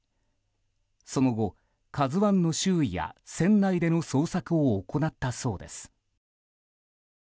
その後「ＫＡＺＵ１」の周囲や船内での捜索を行ったそうです。